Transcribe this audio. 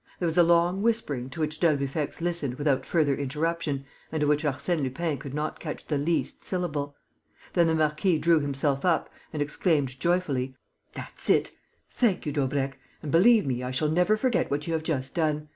There was a long whispering to which d'Albufex listened without further interruption and of which Arsène Lupin could not catch the least syllable. Then the marquis drew himself up and exclaimed, joyfully: "That's it!.... Thank you, Daubrecq. And, believe me, I shall never forget what you have just done.